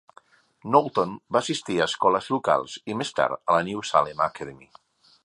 Knowlton va assistir a escoles locals i més tard a la New Salem Academy.